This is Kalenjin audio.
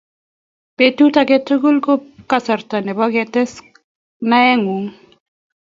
Petut age tugul ko kasarta nebo ketes naengung